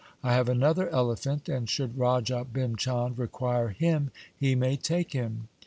I have another elephant, and should Raja Bhim Chand require him he may take him.'